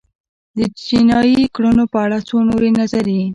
د جنایي کړنو په اړه څو نورې نظریې